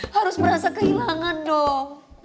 harus merasa kehilangan dong